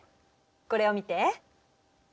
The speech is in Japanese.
これを見て。